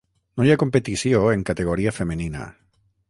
No hi ha competició en categoria femenina.